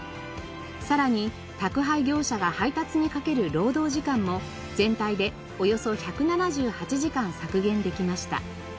さらに宅配業者が配達にかける労働時間も全体でおよそ１７８時間削減できました。